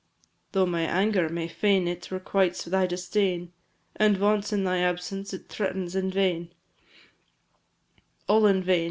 " VI. Though my anger may feign it requites thy disdain, And vaunts in thy absence, it threatens in vain All in vain!